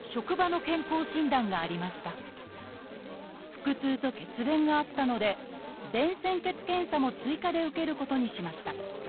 腹痛と血便があったので「便潜血検査」も追加で受けることにしました。